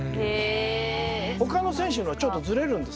ほかの選手のはちょっとずれるんですって。